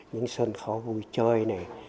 những sân khó vui chơi này